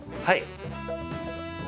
はい。